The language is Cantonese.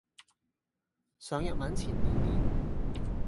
上日文前練練